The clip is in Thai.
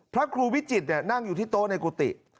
พระครูวิจิตรนั่งอยู่ที่โต๊ะในกุฏิ